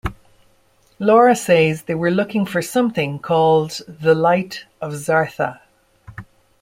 Laura says they were looking for something called the Light of Zartha.